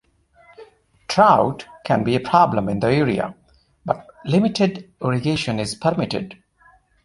Drought can be a problem in the area, but limited irrigation is permitted.